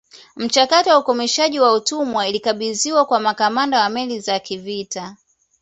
Mchakato wa ukomeshaji wa utumwa ilikabidhiwa kwa makamanda wa meli za kivita